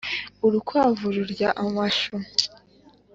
Urukwavu rurya amashu